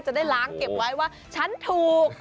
จะได้ล้างเก็บไว้ว่าฉันถูก